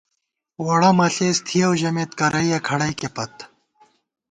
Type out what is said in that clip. ووڑہ مہ ݪېس تھِیَؤ ژمېت کرَئییَہ کھڑئیکےپت